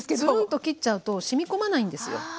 ずんと切っちゃうとしみ込まないんですよ。